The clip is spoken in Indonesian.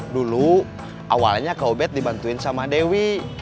dulu awalnya kau bet dibantuin sama dewi